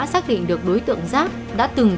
xác định được đối tượng giác đã từng